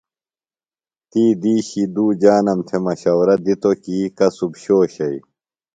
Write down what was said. تی دِیشی دُو جانم تھے مشورہ دِتو کی کسُب شو شئی۔